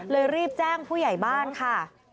รีบแจ้งผู้ใหญ่บ้านค่ะ